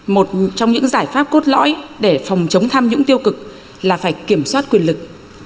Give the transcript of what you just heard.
một trong những giải pháp cốt lõi để phòng chống tham nhũng tiêu cực là phải kiểm soát quyền lực